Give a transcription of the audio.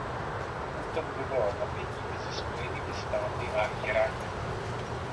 Útok vyvolal napětí mezi Spojenými státy a Íránem.